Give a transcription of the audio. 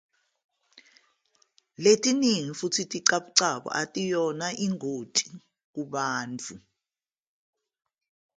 Eziningi futhi izicabucabu aziyona ingozi kubantu.